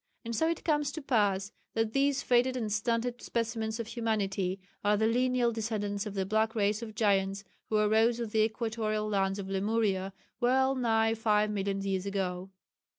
And so it comes to pass that these faded and stunted specimens of humanity are the lineal descendants of the black race of giants who arose on the equatorial lands of Lemuria well nigh five million years ago.